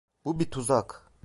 Bu bir tuzak!